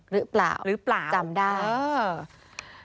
หรือเปล่าจำได้เออหรือเปล่า